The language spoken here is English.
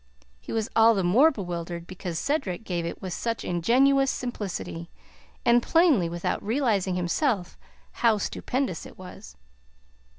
He was all the more bewildered because Cedric gave it with such ingenuous simplicity, and plainly without realizing himself how stupendous it was.